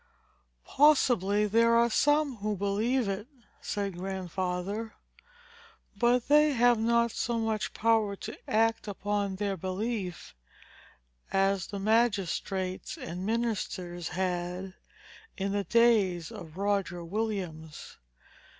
"Possibly there are some who believe it," said Grandfather; "but they have not so much power to act upon their belief, as the magistrates and ministers had, in the days of Roger Williams.